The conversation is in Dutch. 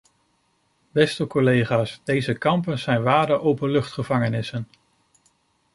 Beste collega’s, deze kampen zijn ware openluchtgevangenissen.